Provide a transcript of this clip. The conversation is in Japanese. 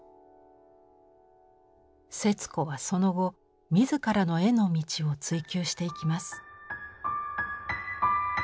節子はその後自らの絵の道を追究していきます。